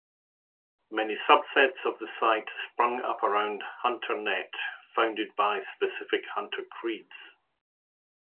Many subsets of the site sprung up around Hunter-net, founded by specific hunter creeds.